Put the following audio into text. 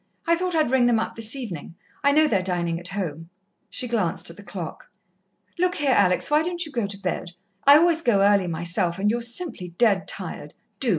I thought I'd ring them up this evening I know they're dining at home." She glanced at the clock. "Look here, Alex, why don't you go to bed? I always go early myself and you're simply dead tired. Do!